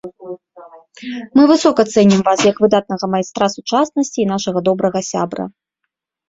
Мы высока цэнім вас як выдатнага майстра сучаснасці і нашага добрага сябра.